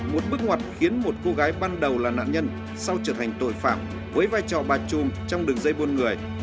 một bước ngoặt khiến một cô gái ban đầu là nạn nhân sau trở thành tội phạm với vai trò bà trum trong đường dây buôn người